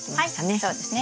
はいそうですね。